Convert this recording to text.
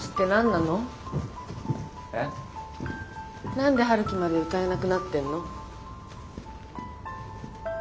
何で陽樹まで歌えなくなってんの？